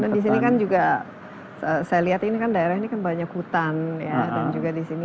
karena di sini kan juga saya lihat ini kan daerah ini kan banyak hutan ya dan juga di sini itu sisir